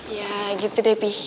iya gitu deh pi